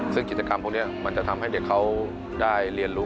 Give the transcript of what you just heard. ซึ่งกิจกรรมพวกนี้มันจะทำให้เด็กเขาได้เรียนรู้